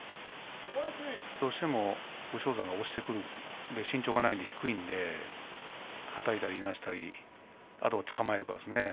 どうしても武将山が押してくる身長がないのではたいたり、いなしたりあと、つかまえるかですね。